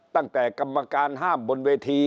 ตั้งแต่กรรมการห้ามบนเวที